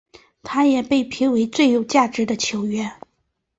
他也被评为最有价值球员。